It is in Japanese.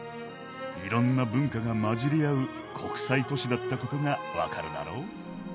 いろんな文化が混じり合う国際都市だったことがわかるだろ。